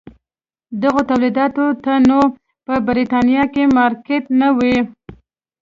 دغو تولیداتو ته نور په برېټانیا کې مارکېټ نه و.